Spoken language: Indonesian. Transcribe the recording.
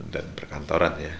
dan perkantoran ya